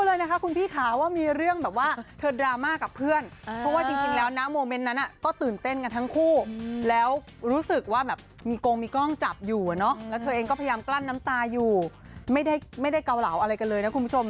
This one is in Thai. ไม่ได้เกาเหลาอะไรกันเลยนะคุณผู้ชม